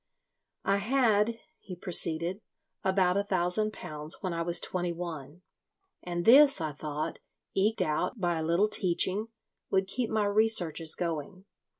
"I had," he proceeded, "about a thousand pounds when I was twenty one, and this, I thought, eked out by a little teaching, would keep my researches going.